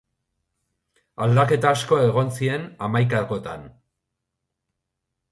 Aldaketa asko egon ziren hamaikakoetan.